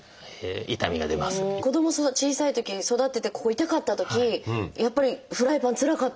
子ども小さいときに育ててここ痛かったときやっぱりフライパンつらかったですもん。